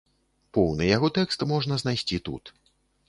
Поўны яго тэкст можна знайсці тут.